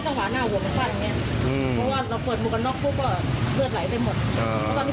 เพราะว่าเราเปิดมุกกะน๊อกปุ๊กก็เลือดไหลได้หมด